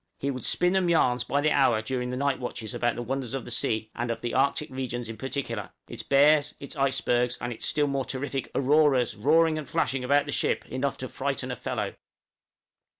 He would spin them yarns by the hour during the night watches about the wonders of the sea, and of the Arctic regions in particular its bears, its icebergs, and still more terrific "auroras, roaring and flashing about the ship enough to frighten a fellow"!